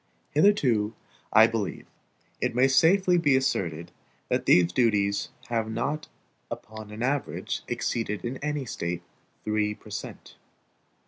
Hitherto, I believe, it may safely be asserted, that these duties have not upon an average exceeded in any State three per cent.